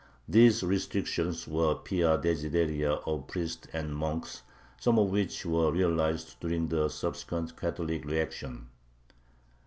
These restrictions were the pia desideria of priests and monks, some of which were realized during the subsequent Catholic reaction.